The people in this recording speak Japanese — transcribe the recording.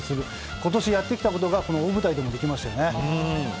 今年やってきたことが大舞台でもできましたよね。